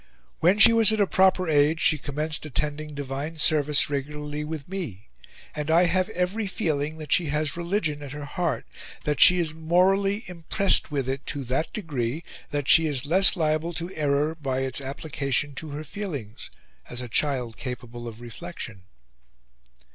When she was at a proper age she commenced attending Divine Service regularly with me, and I have every feeling that she has religion at Her heart, that she is morally impressed with it to that degree, that she is less liable to error by its application to her feelings as a Child capable of reflection."